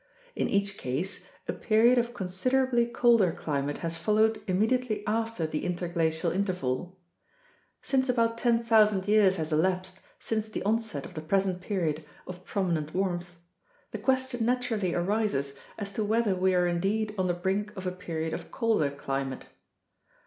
In each case, a period of considerably colder climate has followed im mediately after the interglacial interval. Since about 10,000 years has elapsed since the onset of the present period of prominent warmth, the question naturally arises as to whether we are indeed on the brink of a period of colder climate.